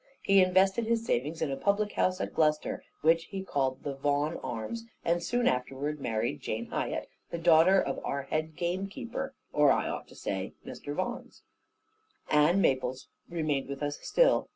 He invested his savings in a public house at Gloucester, which he called the "Vaughan Arms," and soon afterwards married Jane Hiatt, a daughter of our head game keeper; or I ought to say, Mr. Vaughan's. Ann Maples remained with us still.